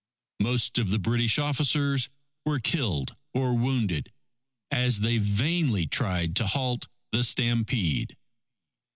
Most of the British officers were killed or wounded, as they vainly tried to halt the stampede.